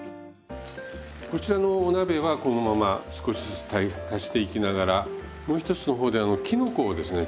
こちらのお鍋はこのまま少しずつ足していきながらもう一つの方できのこをですね